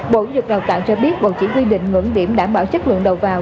bộ dược đào tạo cho biết bộ chỉ quy định ngưỡng điểm đảm bảo chất lượng đầu vào